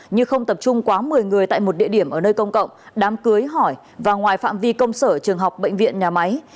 như không tập trung quá một mươi người tại một địa điểm ở nơi công cộng đám cưới hỏi và ngoài phạm vi công sở trường học bệnh viện nhà máy